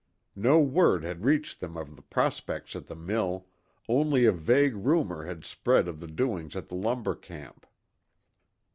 No word had reached them of the prospects at the mill, only a vague rumor had spread of the doings at the lumber camp.